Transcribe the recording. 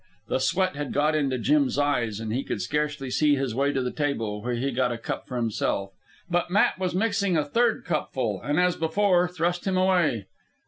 The sweat had got into Jim's eyes, and he could scarcely see his way to the table, where he got a cup for himself. But Matt was mixing a third cupful, and, as before, thrust him away.